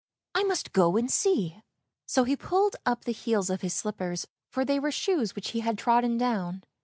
I must go and see! " so he pulled up the heels of his slippers for they were shoes which he had trodden down.